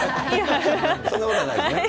そんなことはないですね。